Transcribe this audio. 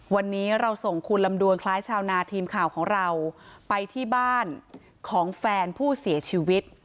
วันนี้เราส่งคุณลำดวนคล้ายชาวนาทีมข่าวของเราไปที่บ้านของแฟนผู้เสียชีวิต